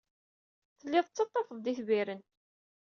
Tellid tettaḍḍafed-d itbiren.